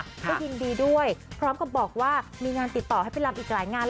เราไปรำแล้วคนไปถ่ายในงาน